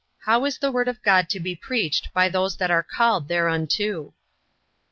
How is the Word of God to be preached by those that are called thereunto?